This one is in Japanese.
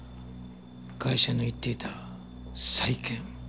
ガイシャの言っていた債権。